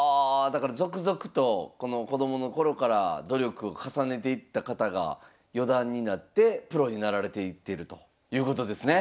だから続々と子供の頃から努力を重ねていった方が四段になってプロになられていってるということですね。